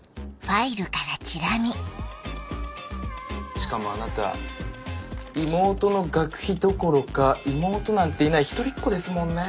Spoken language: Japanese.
しかもあなた妹の学費どころか妹なんていない一人っ子ですもんね。